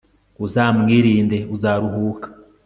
uzamwirinde, uzaruhuka